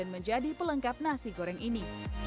menjadi pelengkap nasi goreng ini